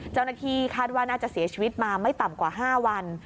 เจ้าหน้าที่คาดว่าน่าจะเสียชีวิตมาไม่ต่ำกว่า๕วัน